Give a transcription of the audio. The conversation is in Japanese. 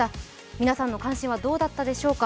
皆さんの関心はどうだったでしょうか。